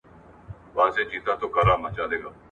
سوله د ټولنې لومړنۍ اړتیا ده.